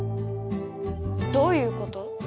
どういうこと？